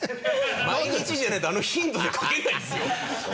毎日じゃないとあの頻度で書けないですよ。